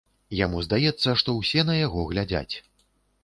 Яму здаецца, што ўсе на яго глядзяць.